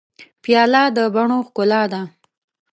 پیاله د بڼو ښکلا ده.